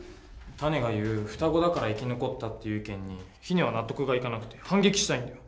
タネが言う双子だから生き残ったっていう意見にヒネは納得がいかなくて反撃したいんだよ。